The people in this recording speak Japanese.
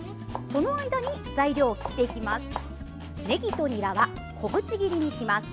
その間に材料を切っていきます。